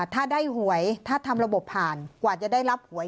ถ้าได้หวยถ้าทำระบบผ่านกว่าจะได้รับหวย